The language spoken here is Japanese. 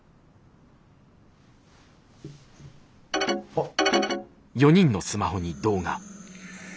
あっ。